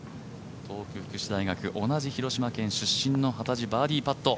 東北福祉大学、同じ広島県出身の幡地、バーディーパット。